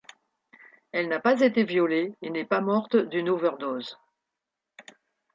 Elle n'a pas été violée et n'est pas morte d'une overdose.